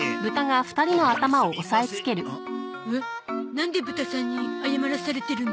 なんでブタさんに謝らされてるの？